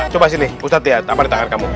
coba sini ustadz lihat apa di tangan kamu